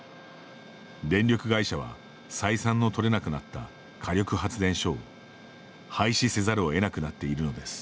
電力会社は採算の取れなくなった火力発電所を廃止せざるをえなくなっているのです。